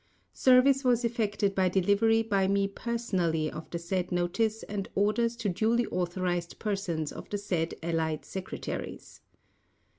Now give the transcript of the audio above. Service was effected by delivery by me personally of the said notice and orders to duly authorised persons of the said Allied Secretariats.